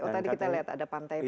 oh tadi kita lihat ada pantai padang